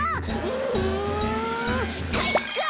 うんかいか！